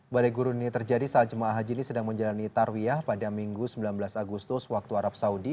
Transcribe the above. badai gurun ini terjadi saat jemaah haji ini sedang menjalani tarwiyah pada minggu sembilan belas agustus waktu arab saudi